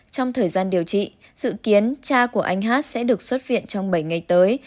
trong thời gian điều trị dự kiến cha của anh hát sẽ được xuất viện trong bảy ngày tới